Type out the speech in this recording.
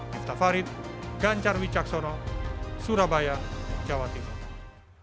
miftah farid ganjar wicaksono surabaya jawa timur